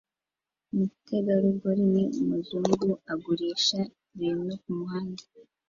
Umutegarugori ni umuzungu agurisha ibintu kumuhanda